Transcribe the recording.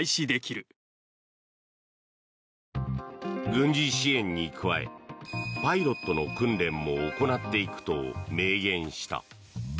軍事支援に加えパイロットの訓練も行っていくと明言した。